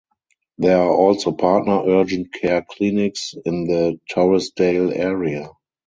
There are also partner urgent care clinics in the Torresdale area.